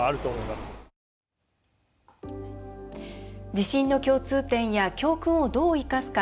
地震の共通点や教訓をどう生かすか。